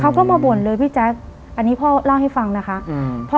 เขาก็มาบ่นเลยพี่แจ๊คอันนี้พ่อเล่าให้ฟังนะคะอืมพ่อ